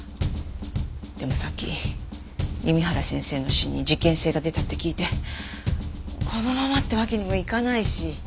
でもさっき弓原先生の死に事件性が出たって聞いてこのままってわけにもいかないし。